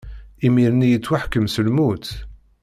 Imir-nni i yettwaḥkem s lmut.